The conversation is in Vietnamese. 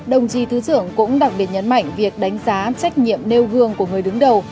đồng chí thứ trưởng cũng đặc biệt nhấn mạnh việc đánh giá trách nhiệm nêu gương của người đứng đầu